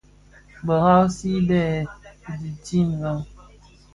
Bëghasi bèè dhitin la?